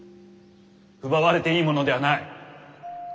奪われていいものではない。